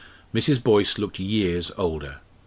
Mrs. Boyce looked years older.